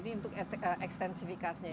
jadi untuk ekstensifikasinya